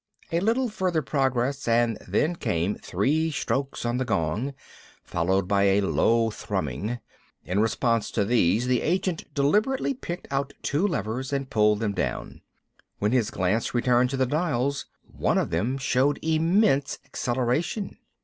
A little further progress, and then came three strokes on the gong, followed by a low thrumming. In response to these, the agent deliberately picked out two levers, and pulled them down. When his glance returned to the dials, one of them showed immense acceleration.